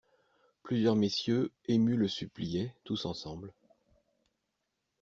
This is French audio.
Plusieurs messieurs émus le suppliaient, tous ensemble.